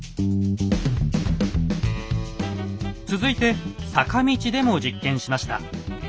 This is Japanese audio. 続いて坂道でも実験しました。